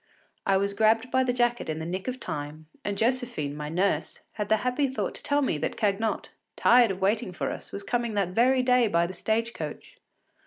I was grabbed by the jacket in the nick of time, and Josephine, my nurse, had the happy thought to tell me that Cagnotte, tired of waiting for us, was coming that very day by the stage coach.